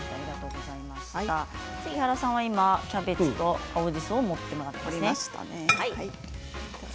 井原さんはキャベツと青じそを盛っていただいています。